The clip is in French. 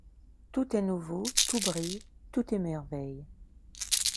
Tout est nouveau, tout brille, tout émerveille.